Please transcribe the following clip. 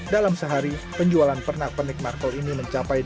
dalam sehari penjualan pernah pernik marvel ini mencapai delapan puluh seratus buah